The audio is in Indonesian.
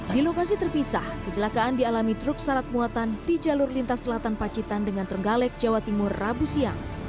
di lokasi terpisah kecelakaan dialami truk syarat muatan di jalur lintas selatan pacitan dengan trenggalek jawa timur rabu siang